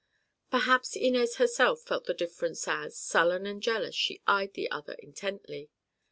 Perhaps Inez herself felt this difference as, sullen and jealous, she eyed the other intently.